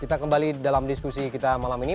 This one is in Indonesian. kita kembali dalam diskusi kita malam ini